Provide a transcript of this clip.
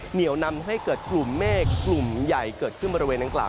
เหนียวนำให้เกิดกลุ่มเมฆกลุ่มใหญ่เกิดขึ้นบริเวณดังกล่าว